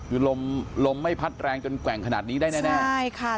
คือลมลมไม่พัดแรงจนแกว่งขนาดนี้ได้แน่แน่ใช่ค่ะ